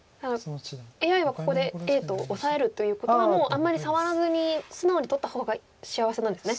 ＡＩはここでＡとオサえるということはもうあんまり触らずに素直に取った方が幸せなんですね。